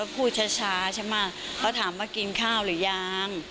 เขาคุยช้าเขาคุยช้าใช่มะเขาถามว่ากินข้าวหรือยัง